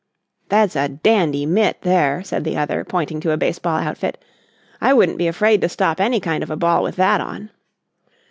"That's a dandy mitt there," said the other, pointing to a baseball outfit. "I wouldn't be afraid to stop any kind of a ball with that on."